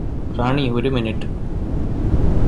റാണി ഒരു മിനുട്ട്